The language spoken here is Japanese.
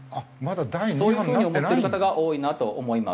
そういう風に思ってる方が多いなと思います。